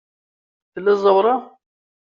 Tella ẓẓawra?